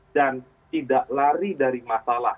dan tidak lari dari masalah